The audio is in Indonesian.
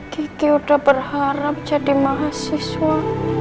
kiki sudah berharap jadi mahasiswa